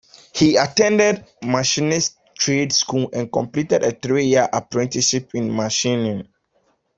He attended machinist trade school and completed a three-year apprenticeship in machining.